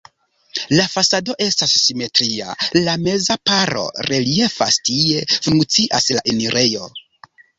La fasado estas simetria, la meza paro reliefas, tie funkcias la enirejo.